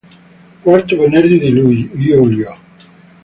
Quarto venerdì di luglio.